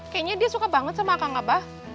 kayaknya dia suka banget sama kang abah